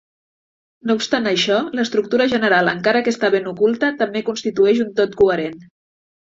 No obstant això, l'estructura general, encara que està ben oculta, també constitueix un tot coherent.